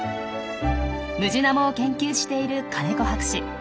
ムジナモを研究している金子博士。